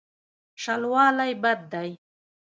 شلوالی بد دی.